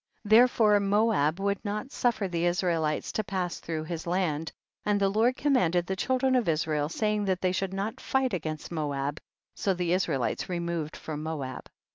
11. Therefore Moab would not suffer the Israelites to pass through his land, and the Lord commanded the children of Israel, saying that thev^ should not fight against Moab, so the Israelites removed from Moab.